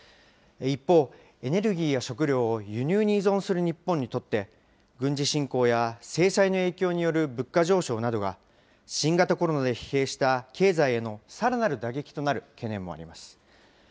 一方、エネルギーや食料を輸入に依存する日本にとって、軍事侵攻や制裁の影響による物価上昇などが新型コロナで疲弊した経済へのさらなる打撃となる懸念もあります。